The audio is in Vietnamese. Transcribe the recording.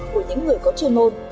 của những người có chuyên môn